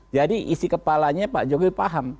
jadi isi kepalanya pak jokowi paham